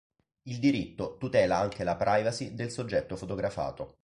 Il diritto tutela anche la "privacy" del soggetto fotografato.